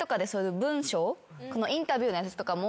インタビューのやつとかも。